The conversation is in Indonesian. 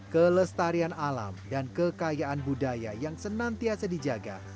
kelestarian alam dan kekayaan budaya yang senantiasa dijaga